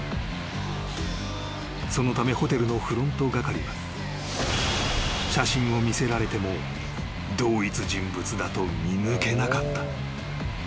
［そのためホテルのフロント係は写真を見せられても同一人物だと見抜けなかった］